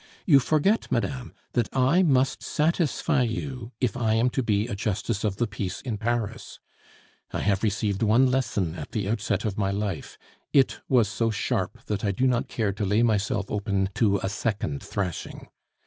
You forget, madame, that I must satisfy you if I am to be a justice of the peace in Paris. I have received one lesson at the outset of my life; it was so sharp that I do not care to lay myself open to a second thrashing.